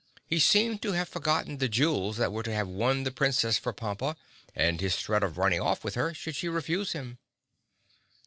He seemed to have forgotten the jewels that were to have won the Princess for Pompa and his threat of running off with her should she refuse him.